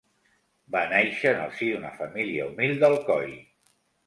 Va nàixer en el si d'una família humil d'Alcoi.